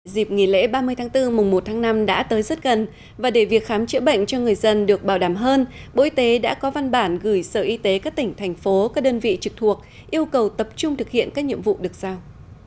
dịp nghỉ lễ ba mươi tháng bốn mùng một tháng năm đã tới rất gần và để việc khám chữa bệnh cho người dân được bảo đảm hơn bộ y tế đã có văn bản gửi sở y tế các tỉnh thành phố các đơn vị trực thuộc yêu cầu tập trung thực hiện các nhiệm vụ được sao